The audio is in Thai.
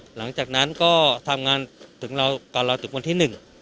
หลังจากนั้นก็ทำงานกับเราถึงวันที่๑